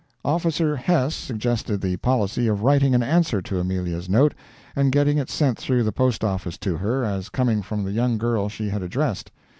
Officer Hess suggested the policy of writing an answer to Amelia's note, and getting it sent through the Post Office to her, as coming from the young girl she had addressed.